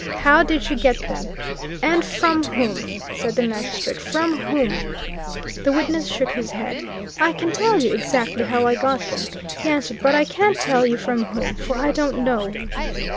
How did you get them?" "And from whom?" said the magistrate. "From whom?" The witness shook his head. "I can tell you exactly how I got them," he answered. "But I can't tell you from whom, for I don't know!